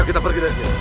ayo kita pergi dari sini